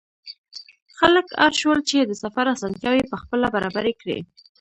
خلک اړ شول چې د سفر اسانتیاوې پخپله برابرې کړي.